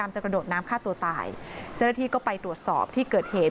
เจ้าหน้าที่ก็ไปตรวจสอบที่เกิดเหตุ